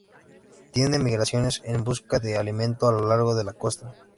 Tiene migraciones en busca de alimento a lo largo de la costa.